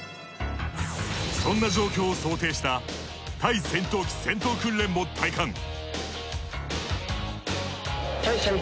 そんな状況を想定した対戦闘機戦闘訓練も体感。